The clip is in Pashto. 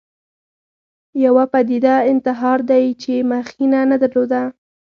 یوه پدیده انتحار دی چې مخینه نه درلوده